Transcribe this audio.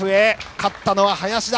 勝ったのは林田。